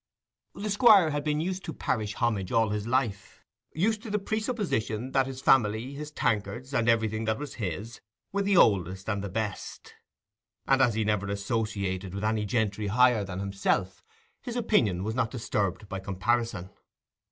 The Squire had been used to parish homage all his life, used to the presupposition that his family, his tankards, and everything that was his, were the oldest and best; and as he never associated with any gentry higher than himself, his opinion was not disturbed by comparison.